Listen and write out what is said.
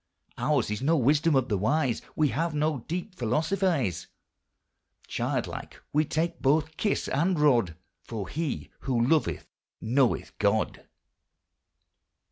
Ours is no wisdom of the wise, We have no deep philosophies; Childlike we take both kiss and rod, For he who loveth knoweth God.